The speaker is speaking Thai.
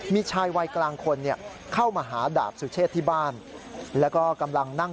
มีชายวัยกลางคนเข้ามาหาดาบสุเชษที่บ้าน